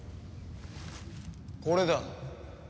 これだ。